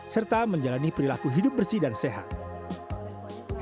serta menjalani perilaku hidup bersih dan sehat